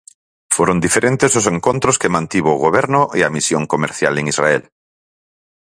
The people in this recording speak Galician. Foron diferentes os encontros que mantivo o Goberno e a misión comercial en Israel.